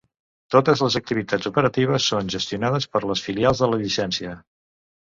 Totes les activitats operatives són gestionades per les filials de la llicència.